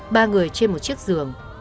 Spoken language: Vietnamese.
ba người trên một chiếc giường